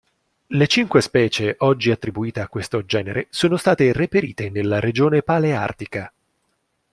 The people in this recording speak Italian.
Le cinque specie oggi attribuite a questo genere sono state reperite nella regione paleartica.